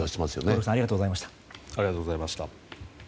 合六さんありがとうございました。